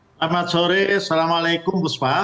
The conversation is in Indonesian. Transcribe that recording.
selamat sore assalamualaikum buspa